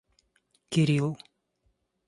Кирилл